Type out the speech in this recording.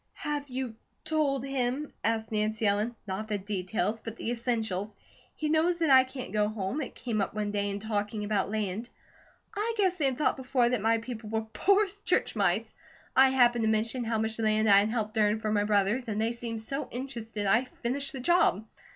"Have you told him ?" asked Nancy Ellen. "Not the details, but the essentials. He knows that I can't go home. It came up one day in talking about land. I guess they had thought before, that my people were poor as church mice. I happened to mention how much land I had helped earn for my brothers, and they seemed so interested I finished the job.